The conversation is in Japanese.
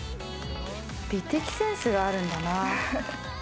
美的センスがあるんだな。